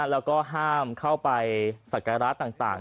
แล้วก็ห้ามเข้าไปสักการะต่าง